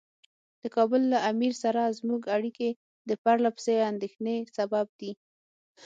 د کابل له امیر سره زموږ اړیکې د پرله پسې اندېښنې سبب دي.